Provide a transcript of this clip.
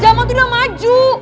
zaman itu udah maju